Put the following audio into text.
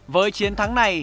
với chiến thắng này